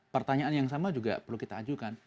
pertanyaan yang sama juga perlu kita ajukan